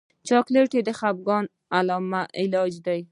چاکلېټ د خفګان علاج دی.